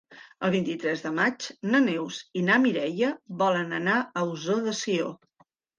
El vint-i-tres de maig na Neus i na Mireia volen anar a Ossó de Sió.